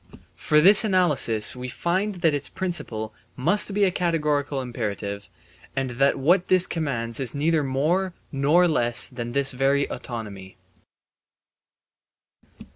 For by this analysis we find that its principle must be a categorical imperative and that what this commands is neither more nor less than this very autonomy.